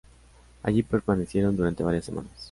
Allí permanecieron durante varias semanas.